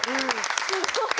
すごい！